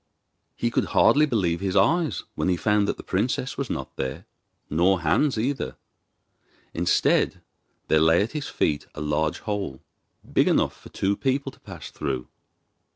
He could hardly believe his eyes when he found that the princess was not there, nor Hans either. Instead, there lay at his feet a large hole, big enough for two people to pass through.